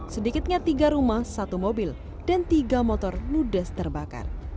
sedikitnya tiga rumah satu mobil dan tiga motor ludes terbakar